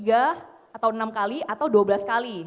atau enam kali atau dua belas kali